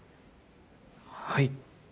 はい。